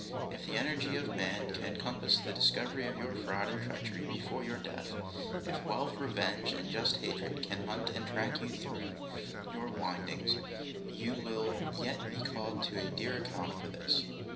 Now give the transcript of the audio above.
If the energy of man can compass the discovery of your fraud and treachery before your death; if wealth, revenge, and just hatred, can hunt and track you through your windings; you will yet be called to a dear account for this.